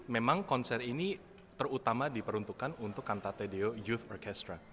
memang konser ini terutama diperuntukkan untuk cantate deo youth orchestra